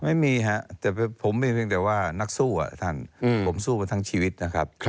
ไม่มีฮะแต่ผมมีเพียงแต่ว่านักสู้ท่านผมสู้มาทั้งชีวิตนะครับ